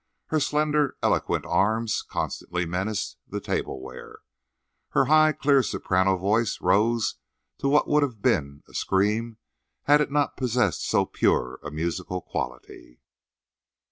Her slender, eloquent arms constantly menaced the tableware. Her high, clear soprano voice rose to what would have been a scream had it not possessed so pure a musical quality.